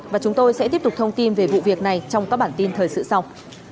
và chúng tôi sẽ tiếp tục thông tin về vụ việc này trong các bản tin thời sự sau